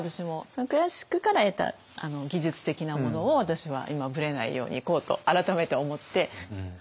そのクラシックから得た技術的なものを私は今ぶれないようにいこうと改めて思って。